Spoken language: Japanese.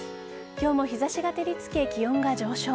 今日も日差しが照りつけ気温が上昇。